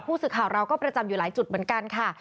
ผู้สื่อข่าวเราก็ประจำอยู่หลายจุดเหมือนกันค่ะ